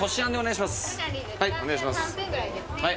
はい。